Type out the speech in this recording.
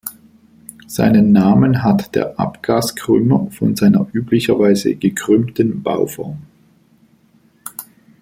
Seinen Namen hat der Abgaskrümmer von seiner üblicherweise gekrümmten Bauform.